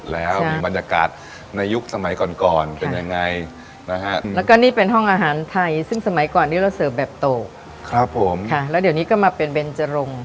แล้วเดี๋ยวนี้ก็มาเป็นเวนเจริง